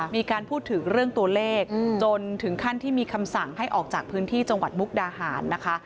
มีการพูดถึงเรื่องตัวเลขจนถึงขั้นที่มีคำสั่งให้ออกจากพื้นที่จังหวัดมุกดาหารนะคะ